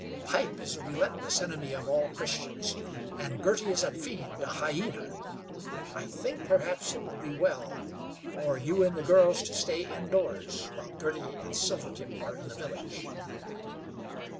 Pipe is a relentless enemy of all Christians, and Girty is a fiend, a hyena. I think, perhaps, it will be well for you and the girls to stay indoors while Girty and Silvertip are in the village."